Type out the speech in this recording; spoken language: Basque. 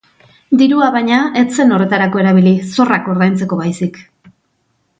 Dirua, baina, ez zen horretarako erabili, zorrak ordaintzeko baizik.